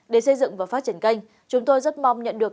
để xây dựng và phát triển kênh chúng tôi rất mong nhận được